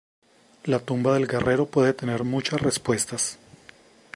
La tumba del guerrero puede tener muchas respuestas.